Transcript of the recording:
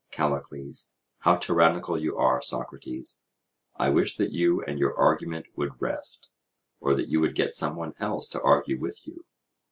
CALLICLES: How tyrannical you are, Socrates! I wish that you and your argument would rest, or that you would get some one else to argue with you.